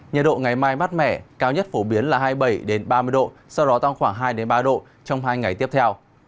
nhiệt độ ngày mai mát mẻ cao nhất phổ biến là hai mươi bảy ba mươi độ sau đó tăng khoảng hai ba độ trong hai ngày tiếp theo